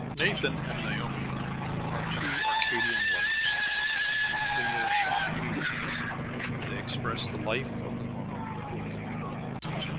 Nathan and Naomi are two Arcadian lovers. In their shy meetings they express the life of the normal Bethulia.